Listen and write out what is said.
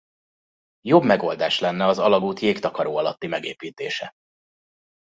Jobb megoldás lenne az alagút jégtakaró alatti megépítése.